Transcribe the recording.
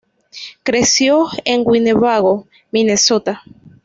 Creció en Winnebago, Minnesota.